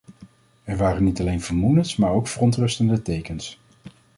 Er waren niet alleen vermoedens maar ook verontrustende tekens.